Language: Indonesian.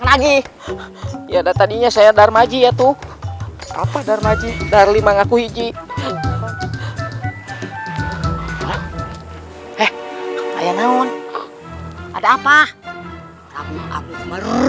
lagi ya tadinya saya darmaji itu apa darmaji darlima ngaku hiji eh ada apa apa